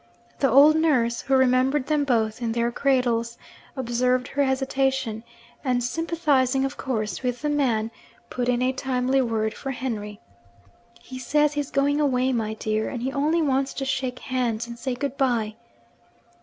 The old nurse (who remembered them both in their cradles) observed her hesitation; and sympathising of course with the man, put in a timely word for Henry. 'He says, he's going away, my dear; and he only wants to shake hands, and say good bye.'